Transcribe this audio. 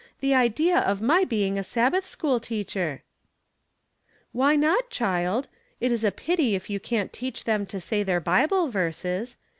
The idea of my being a Sabbath school teacher !" "Why not, child. It is a pity if you can't teach them to say their Bible verses.